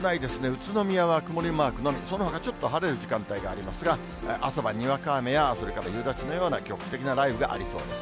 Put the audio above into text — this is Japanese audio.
宇都宮は曇りマークのみ、そのほか、ちょっと晴れる時間帯がありますが、朝晩、にわか雨や、それから夕立のような局地的な雷雨がありそうです。